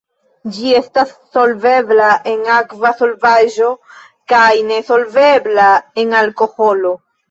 Ĝi estas solvebla en akva solvaĵo kaj ne solvebla en alkoholo.